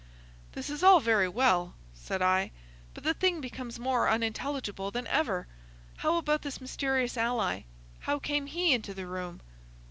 "This is all very well," said I, "but the thing becomes more unintelligible than ever. How about this mysterious ally? How came he into the room?"